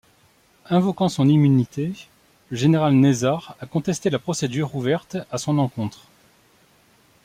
Invoquant son immunité, le général Nezzar a contesté la procédure ouverte à son encontre.